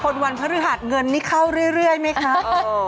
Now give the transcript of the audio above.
วันพฤหัสเงินนี่เข้าเรื่อยไหมคะ